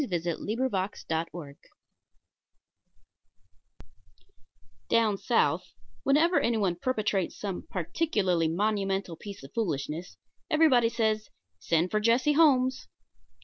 XVIII THE FOOL KILLER Down South whenever any one perpetrates some particularly monumental piece of foolishness everybody says: "Send for Jesse Holmes."